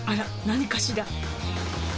何かしら？